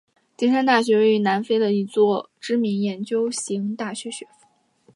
金山大学位于南非的一所知名研究型大学学府。